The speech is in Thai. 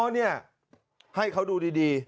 อ๋อเนี่ยให้เค้าดูดี